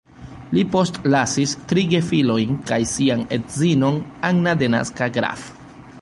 Li postlasis tri gefilojn kaj sian edzinon Anna denaska Graf.